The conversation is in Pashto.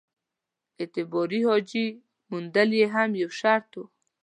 اعتباري حاجي موندل یې هم یو شرط وو.